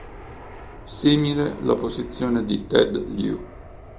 Simile la posizione di Ted Lieu.